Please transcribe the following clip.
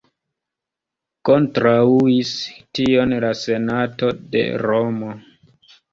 Kontraŭis tion la senato de Romo.